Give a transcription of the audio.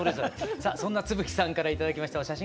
さあそんな津吹さんから頂きましたお写真